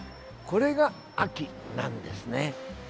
これが秋なんですね。